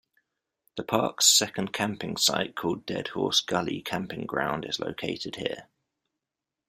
The park's second camping site called Dead Horse Gully camping ground is located here.